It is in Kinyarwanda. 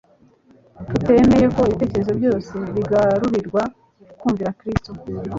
tutemeye ko ibitekerezo byose bigarurirwa kumvira Kristo.